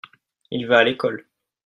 il va à l'école.